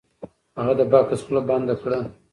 هغه د بکس خوله بنده کړه. .